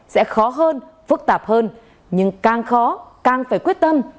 sẽ khó hơn phức tạp hơn nhưng càng khó càng phải quyết tâm